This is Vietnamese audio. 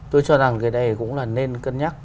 tôi cho rằng cái này cũng là nên cân nhắc